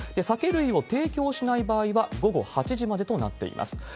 酒類を提供しない場合は午後８時までとなっています。